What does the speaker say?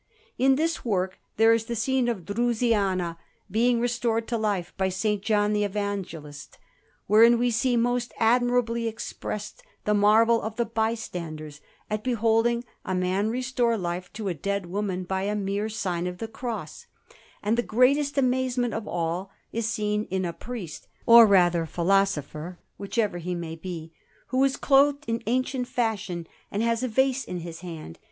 In this work there is the scene of Drusiana being restored to life by S. John the Evangelist, wherein we see most admirably expressed the marvel of the bystanders at beholding a man restore life to a dead woman by a mere sign of the cross; and the greatest amazement of all is seen in a priest, or rather philosopher, whichever he may be, who is clothed in ancient fashion and has a vase in his hand.